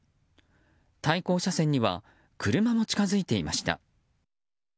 対向車線には車も近づいていました。